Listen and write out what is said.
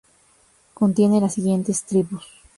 Contiene las siguientes tribus.